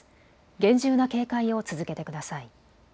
厳重な警戒を続けてください。